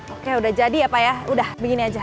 oke udah jadi ya pak ya udah begini aja